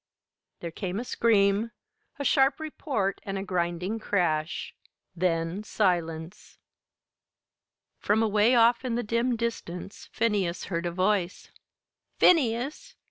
There came a scream, a sharp report, and a grinding crash then silence. From away off in the dim distance Phineas heard a voice. "Phineas!